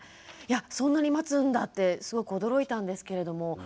いやそんなに待つんだってすごく驚いたんですけれども。